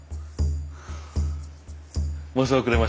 申し遅れました。